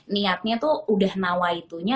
niatnya tuh udah nawa itunya